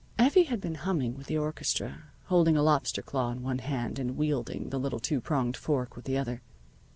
Effie had been humming with the orchestra, holding a lobster claw in one hand and wielding the little two pronged fork with the other.